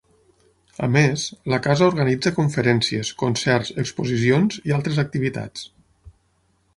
A més, la Casa organitza conferències, concerts, exposicions i altres activitats.